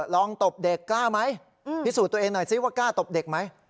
ตบเด็กกล้าไหมพิสูจน์ตัวเองหน่อยซิว่ากล้าตบเด็กไหม